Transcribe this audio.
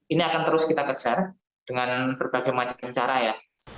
ini akan terus kita kejar dengan berbagai macam cara ya